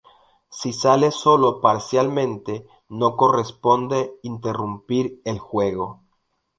Si sale sólo parcialmente, no corresponde interrumpir el juego.